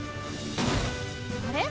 あれ？